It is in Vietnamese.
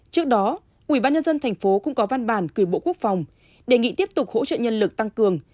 trước đó ủy ban nhân dân tp hcm cũng có văn bản quyền bộ quốc phòng đề nghị tiếp tục hỗ trợ nhân lực tăng cường